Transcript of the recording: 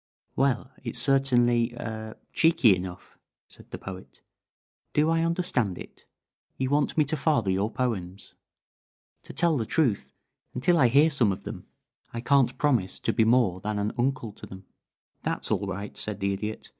"Well, it's certainly er cheeky enough," said the Poet. "Do I understand it? you want me to father your poems. To tell the truth, until I hear some of them, I can't promise to be more than an uncle to them." "That's all right," said the Idiot.